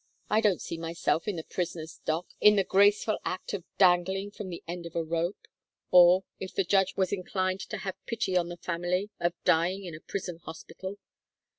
I don't see myself in the prisoner's dock, in the graceful act of dangling from the end of a rope; or, if the judge was inclined to have pity on the family, of dying in a prison hospital.